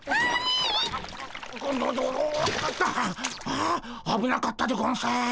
ああぶなかったでゴンス。